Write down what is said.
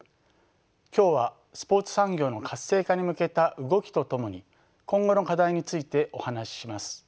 今日はスポーツ産業の活性化に向けた動きとともに今後の課題についてお話しします。